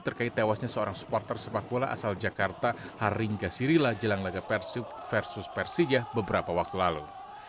terkait tewasnya seorang supporter sepak bola asal jakarta haringga sirila jelang laga persib versus persija beberapa waktu lalu